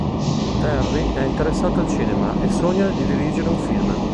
Terry è interessato al cinema e sogna di dirigere un film.